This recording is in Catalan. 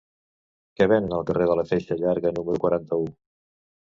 Què venen al carrer de la Feixa Llarga número quaranta-u?